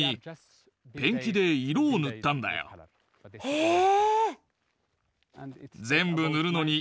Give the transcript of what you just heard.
へえ。